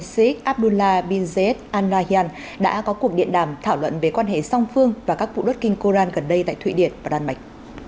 sheikh abdullah bin zayed al nahyan đã có cuộc điện đàm thảo luận về quan hệ song phương và các vụ đốt kinh quran gần đây tại thụy điển và đan mạch